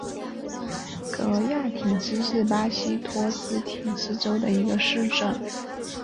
戈亚廷斯是巴西托坎廷斯州的一个市镇。